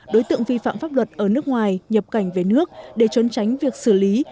đối tượng vi phạm pháp luật ở nước ngoài nhập cảnh về nước để trốn tránh việc xử lý